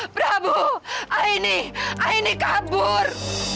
prabu aini aini kabur